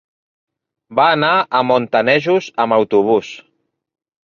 Va anar a Montanejos amb autobús.